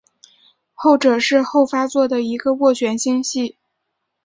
后者是后发座的一个旋涡星系。